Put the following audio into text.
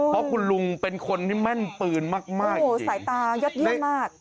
เพราะคุณลุงเป็นคนที่แม่นปืนมากมากโอ้โหสายตายอดเยี่ยมมาก